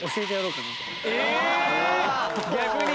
逆に？